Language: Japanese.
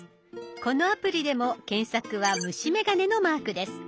このアプリでも検索は虫眼鏡のマークです。